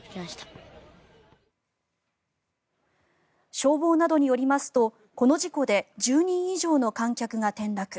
消防などによりますとこの事故で１０人以上の観客が転落。